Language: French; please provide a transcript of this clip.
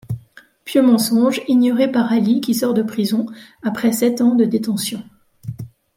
Pieu mensonge ignoré par Ali qui sort de prison après sept ans de détention.